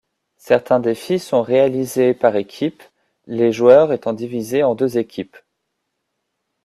Certains défis sont réalisés par équipe, les joueurs étant divisés en deux équipes.